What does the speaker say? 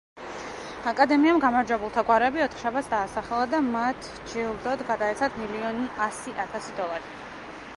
აკადემიამ გამარჯვებულთა გვარები ოთხშაბათს დაასახელა და მათ ჯილდოდ გადაეცათ მილიონ ასი ათასი დოლარი.